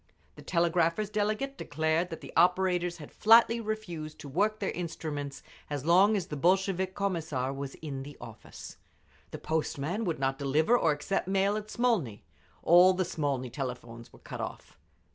The Telegraphers' delegate declared that the operators had flatly refused to work their instruments as long as the Bolshevik Commissar was in the office. The Postmen would not deliver or accept mail at Smolny…. All the Smolny telephones were cut off.